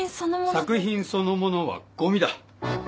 作品そのものはごみだ